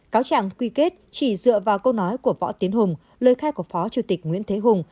cáo trạng quy kết chỉ dựa vào câu nói của võ tiến hùng lời khai của phó chủ tịch nguyễn thế hùng